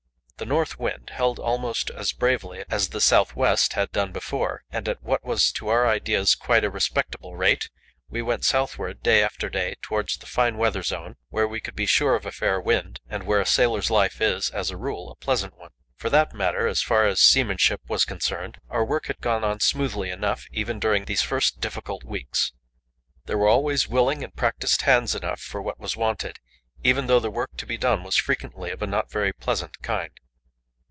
The north wind held almost as bravely as the south west had done before, and at what was to our ideas quite a respectable rate, we went southward day after day towards the fine weather zone, where we could be sure of a fair wind, and where a sailor's life is, as a rule, a pleasant one. For that matter, as far as seamanship was concerned, our work had gone on smoothly enough, even during these first difficult weeks. There were always willing and practised hands enough for what was wanted, even though the work to be done was frequently of a not very pleasant kind.